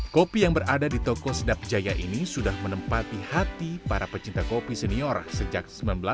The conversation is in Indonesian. kopi yang berada di toko sedap jaya ini sudah menempati hati para pecinta kopi senior sejak seribu sembilan ratus delapan puluh